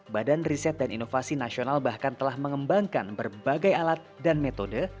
badan riset dan inovasi nasional bahkan telah mengembangkan berbagai alat dan metode